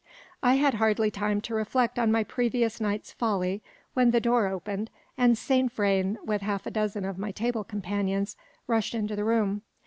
I had hardly time to reflect on my previous night's folly, when the door opened, and Saint Vrain, with half a dozen of my table companions, rushed into the room.